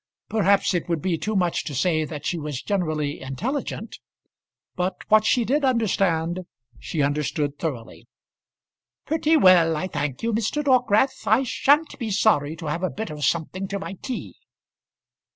Perhaps it would be too much to say that she was generally intelligent, but what she did understand, she understood thoroughly. "Pretty well, I thank you, Mr. Dockwrath. I sha'n't be sorry to have a bit of something to my tea."